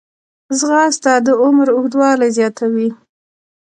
ځغاسته د عمر اوږدوالی زیاتوي